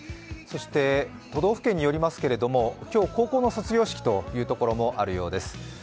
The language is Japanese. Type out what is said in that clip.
そして都道府県によりますけれども、今日、高校の卒業式というところもあるようです。